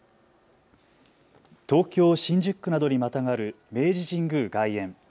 東京新宿区などにまたがる明治神宮外苑。